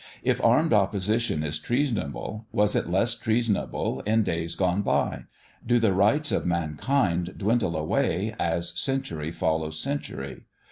If armed opposition is treasonable, was it less treasonable in days gone by? Do the rights of mankind dwindle away as century follows century?